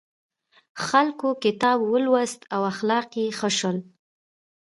خلکو کتاب ولوست او اخلاق یې ښه شول.